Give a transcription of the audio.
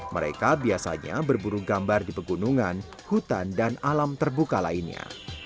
mereka biasanya berburu gambar di pegunungan hutan dan alam terbuka lainnya